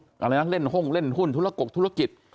อะไรนะเล่นห้องเล่นหุ้นธุรกกธุรกิจ